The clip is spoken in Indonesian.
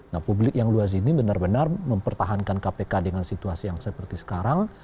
nah publik yang luas ini benar benar mempertahankan kpk dengan situasi yang seperti sekarang